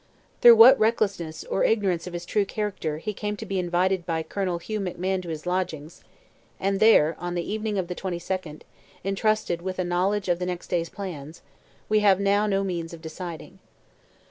Through what recklessness, or ignorance of his true character, he came to be invited by Colonel Hugh McMahon to his lodgings, and there, on the evening of the 22nd, entrusted with a knowledge of next day's plans, we have now no means of deciding.